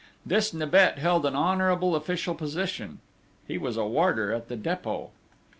This Nibet held an honourable official position; he was a warder at the Dépôt.